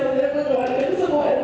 dan mengeluarkan semua air batu